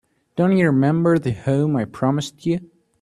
Don't you remember the home I promised you?